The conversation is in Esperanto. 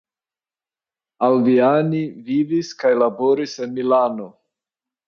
Alviani vivis kaj laboris en Milano.